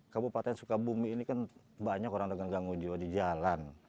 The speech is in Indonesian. kabupaten sukabumi ini kan banyak orang dengan gangguan jiwa di jalan